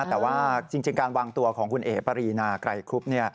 แต่ว่าจริงการวางตัวของคุณเอ๋ปรีนาไกรครุบ